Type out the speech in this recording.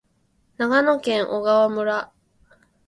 長野県小川村